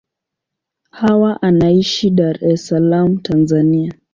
Hawa anaishi Dar es Salaam, Tanzania.